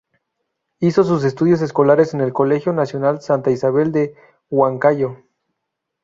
Hizo sus estudios escolares en el Colegio Nacional Santa Isabel de Huancayo.